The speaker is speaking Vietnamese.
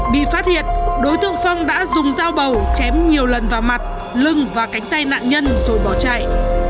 bị phát hiện đối tượng phong đã dùng dao bầu chém nhiều lần vào mặt lưng và cánh tay nạn nhân rồi bỏ chạy